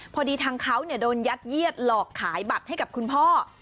พอดีทางเขาโดนยัดเยียดหลอกขายบัตรให้กับคุณพ่อ